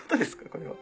これは。